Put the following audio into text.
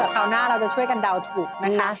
คราวหน้าเราจะช่วยกันเดาถูกนะคะ